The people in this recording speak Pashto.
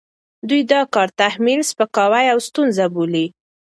دوی دا کار تحمیل، سپکاوی او ستونزه بولي،